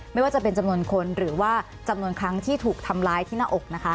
ไม่ว่าจะเป็นจำนวนคนหรือว่าจำนวนครั้งที่ถูกทำร้ายที่หน้าอกนะคะ